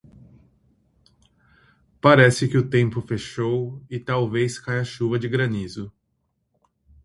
Parece que o tempo fechou e talvez caia chuva de granizo